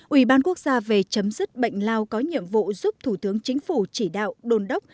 ủy ban quốc gia về chấm dứt bệnh lao có nhiệm vụ giúp thủ tướng chính phủ chỉ đạo đồn đốc